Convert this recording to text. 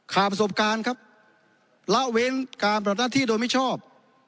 ขาดประสบการณ์ครับละเว้นการปรับหน้าที่โดยไม่ชอบ